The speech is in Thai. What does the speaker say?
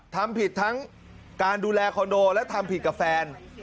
ทำผิดทั้งการดูแลคอนโดและทำผิดกับแฟน